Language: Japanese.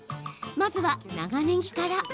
まずは長ねぎから。